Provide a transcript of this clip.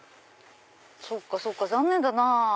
そっかそっか残念だな。